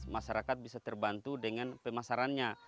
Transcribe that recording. masyarakat bisa terbantu dengan pemasarannya